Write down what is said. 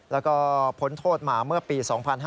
และก็ผลโทษมาเมื่อปี๒๕๕๖